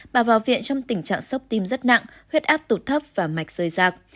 bà vào viện trong tình trạng sốc tim rất nặng huyết áp tụt thấp và mạch rời rạc